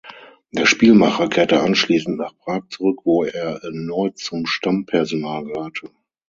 Der Spielmacher kehrte anschließend nach Prag zurück, wo er erneut zum Stammpersonal gehörte.